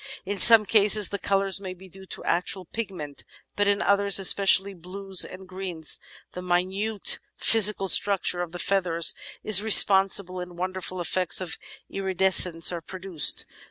In some cases the colours may be due to actual pigment; but in others, especially blues and greens, the minute physical structure of the feathers is responsible and wonderful effects of iridescence are produced.